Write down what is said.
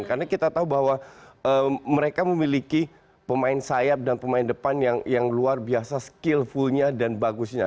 karena kita tahu bahwa mereka memiliki pemain sayap dan pemain depan yang luar biasa skillfullnya dan bagusnya